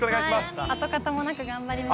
跡形もなく頑張ります。